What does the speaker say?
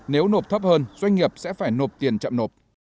nếu nộp thấp hơn doanh nghiệp sẽ phải nộp tiền chậm nộp